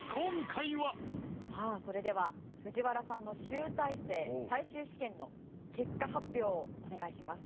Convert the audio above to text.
さあそれでは藤原さんの集大成最終試験の結果発表をお願いします。